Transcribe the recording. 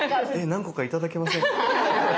何個か頂けませんか？